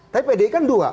tapi pdi kan dua